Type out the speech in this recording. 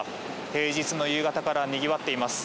平日の夕方からにぎわっています。